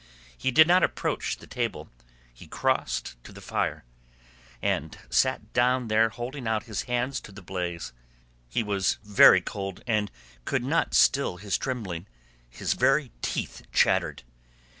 He did not approach the table; he crossed to the fire, and sat down there holding out his hands to the blaze. He was very cold and could not still his trembling. His very teeth chattered.